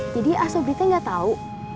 jadi asobritnya gak tau